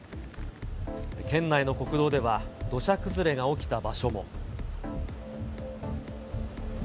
県内の国道では土砂崩れが起きた場所も。